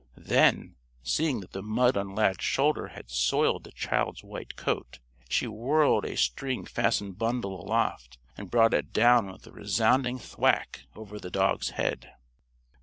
Then, seeing that the mud on Lad's shoulder had soiled the child's white coat, she whirled a string fastened bundle aloft and brought it down with a resounding thwack over the dog's head.